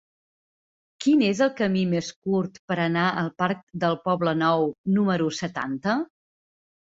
Quin és el camí més curt per anar al parc del Poblenou número setanta?